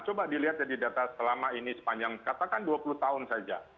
coba dilihat dari data selama ini sepanjang katakan dua puluh tahun saja